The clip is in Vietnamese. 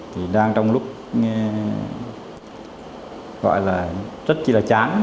thì đang trong lúc gọi là rất chỉ là chán